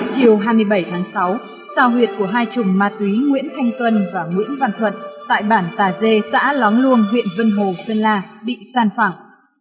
chiều hai mươi bảy tháng sáu sao huyệt của hai chùm ma túy nguyễn thanh tuân và nguyễn văn thuận tại bản tà dê xã lóng luông huyện vân hồ sơn la bị san phẳng